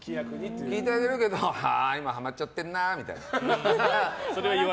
聞いてあるけど今、ハマっちゃってるなみたいな。